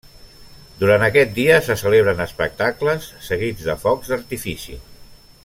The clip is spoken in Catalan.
Durant aquest dia, se celebren espectacles, seguits de focs d'artifici.